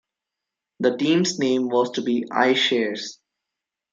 The team's name was to be iShares.